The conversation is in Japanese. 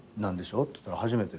っつったら「初めてです」